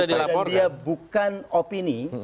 dan dia bukan opini